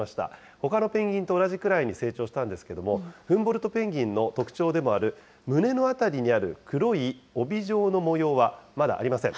ほかのペンギンと同じくらいに成長したんですけれども、フンボルトペンギンの特徴でもある胸の辺りにある黒い帯状の模様はまだありません。